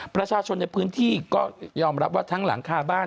ประชาชนในพื้นที่ก็ยอมรับว่าทั้งหลังคาบ้าน